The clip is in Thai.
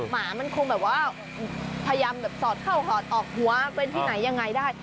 หมามันคงแบบว่าพยายามแบบสอดเข้าสอดออกหัวเป็นที่ไหนยังไงได้